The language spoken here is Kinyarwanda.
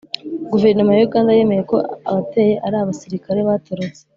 guverinoma ya uganda yemeye ko abateye ari «abasirikari batorotse»